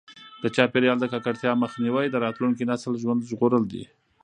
د چاپیریال د ککړتیا مخنیوی د راتلونکي نسل ژوند ژغورل دي.